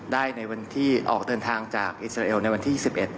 ในวันที่ออกเดินทางจากอิสราเอลในวันที่๒๑